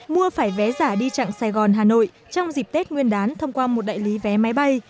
mua phải vé giả đi chặng sài gòn hà nội trong dịp tết nguyên đán thông qua một đại lý vé máy bay